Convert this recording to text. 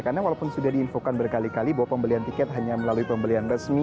karena walaupun sudah diinfokan berkali kali bahwa pembelian tiket hanya melalui pembelian resmi